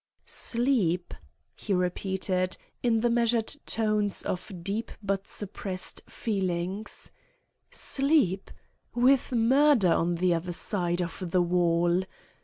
"Sleep!" he repeated, in the measured tones of deep but suppressed feeling. "Sleep! with murder on the other side of the wall!"